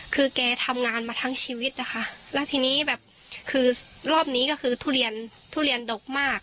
คือแกทำงานมาทั้งชีวิตนะคะแล้วทีนี้แบบคือรอบนี้ก็คือทุเรียนทุเรียนดกมาก